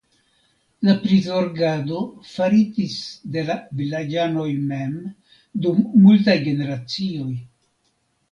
La prizorgado faritis de la vilaĝanoj mem dum multaj generacioj.